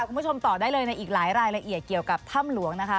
คุณผู้ชมตอบได้เลยในอีกหลายรายละเอียดเกี่ยวกับถ้ำหลวงนะคะ